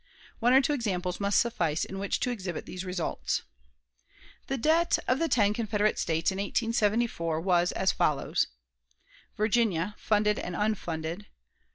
One or two examples must suffice in which to exhibit these results. The debt of the ten Confederate States in 1874 was as follows: Virginia, funded and unfunded